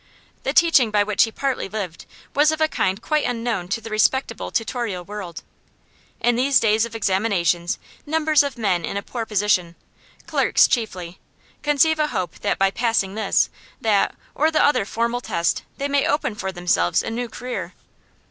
The teaching by which he partly lived was of a kind quite unknown to the respectable tutorial world. In these days of examinations, numbers of men in a poor position clerks chiefly conceive a hope that by 'passing' this, that, or the other formal test they may open for themselves a new career.